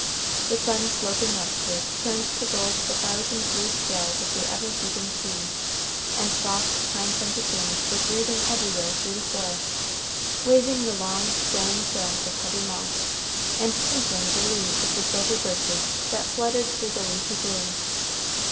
The sun, sloping westward, turned to gold the thousand blue scales of the ever heaving sea, and soft, pine scented winds were breathing everywhere through the forests, waving the long, swaying films of heavy moss, and twinkling the leaves of the silver birches that fluttered through the leafy gloom.